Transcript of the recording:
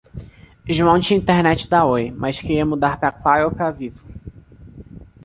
João tinha internet da Oi, mas queria mudar pra Claro ou pra Vivo.